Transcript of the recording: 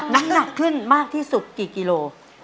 น้ำหนักขึ้นมากที่สุดกี่กิโล